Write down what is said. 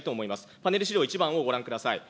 パネル資料１番をご覧ください。